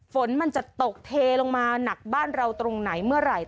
ฝนมันจะตกเทลงมาหนักบ้านเราตรงไหนเมื่อไหร่